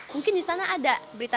mungkin di sana ada